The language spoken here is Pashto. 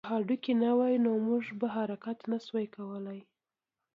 که هډوکي نه وی نو موږ به حرکت نه شوای کولی